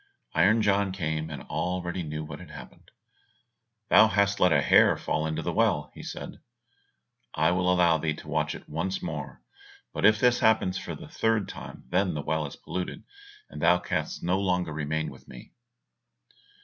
Iron John came, and already knew what had happened. "Thou hast let a hair fall into the well," said he. "I will allow thee to watch by it once more, but if this happens for the third time then the well is polluted, and thou canst no longer remain with me."